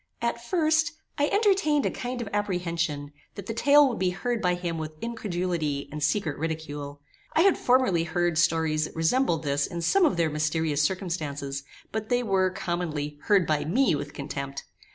At first, I entertained a kind of apprehension, that the tale would be heard by him with incredulity and secret ridicule. I had formerly heard stories that resembled this in some of their mysterious circumstances, but they were, commonly, heard by me with contempt.